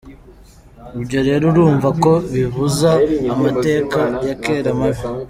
Ibyo rero urumva ko bihuza amateka ya kera mabi.